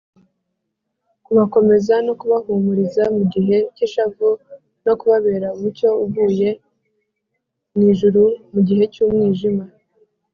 kubakomeza no kubahumuriza mu gihe cy’ishavu, no kubabera umucyo uvuye mu ijuru mu gihe cy’umwijima